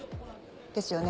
ですよね？